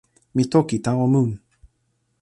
mi toki tawa mun.